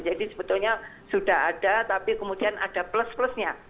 jadi sebetulnya sudah ada tapi kemudian ada plus plusnya